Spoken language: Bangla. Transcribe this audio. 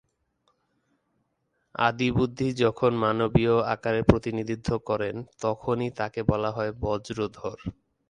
আদিবুদ্ধ যখন মানবীয় আকারে প্রতিনিধিত্ব করেন তখনই তাঁকে বলা হয় বজ্রধর।